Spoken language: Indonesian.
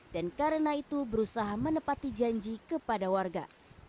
dan karena itu berusaha menepati janji kepada warga